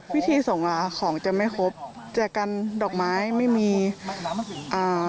วิธีส่งอ่ะของจะไม่ครบแจกกันดอกไม้ไม่มีอ่า